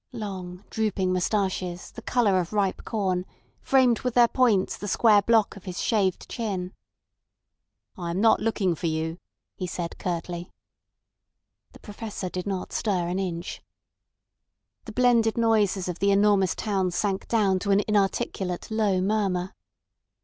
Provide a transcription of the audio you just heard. Long, drooping moustaches, the colour of ripe corn, framed with their points the square block of his shaved chin. "I am not looking for you," he said curtly. The Professor did not stir an inch. The blended noises of the enormous town sank down to an inarticulate low murmur.